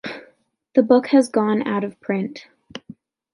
The book has gone out-of-print.